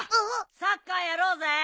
・サッカーやろうぜ！